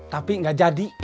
tapi gak jadi